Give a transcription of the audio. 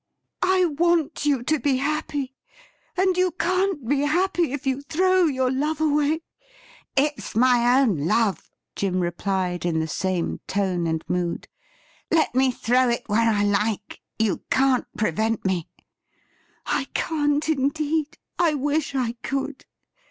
' I want you to be happy, and you can't be happy if you throw your love away ''' It's my own love,' Jim replied, in the same tone and mood. ' Let me thi ow it where I like. You can't prevent me.' ' I can't, indeed ; I wish I could